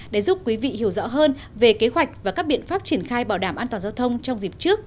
để giúp quý vị hiểu rõ hơn về kế hoạch và các biện pháp triển khai bảo đảm an toàn giao thông trong dịp trước